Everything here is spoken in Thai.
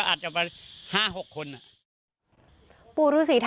ทั้งหมดนี้คือลูกศิษย์ของพ่อปู่เรศรีนะคะ